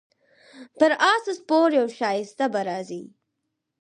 پر اس سپور یو ښایسته به راځي